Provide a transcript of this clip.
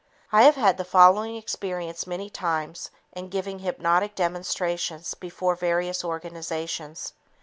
I have had the following experience many times in giving hypnotic demonstrations before various organizations.